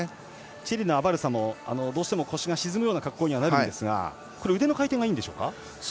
チリのアバルサもどうしても腰が沈むような格好になりますが腕の回転がいいんでしょうか。